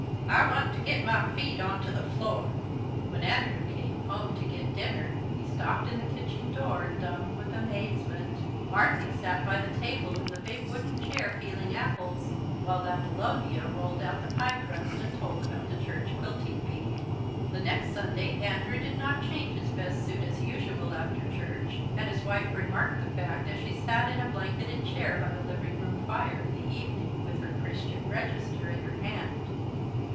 I want to git my feet onto the floor." When Andrew came home to get dinner he stopped in the kitchen door, dumb with amazement. Marthy sat by the table in the big wooden chair peeling apples, while Abilonia rolled out the pie crust and told about the church quilting bee. The next Sunday Andrew did not change his best suit, as usual, after church, and his wife remarked the fact as she sat in a blanketed chair by the living room fire in the evening, with her "Christian Register" in her hand.